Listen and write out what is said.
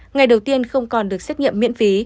ngày đầu tiên không còn được xét nghiệm miễn phí